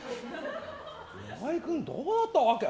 岩井君、どうだったわけ？